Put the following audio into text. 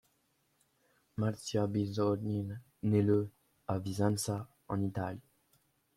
Marzia Bisognin naît le à Vicenza, en Italie.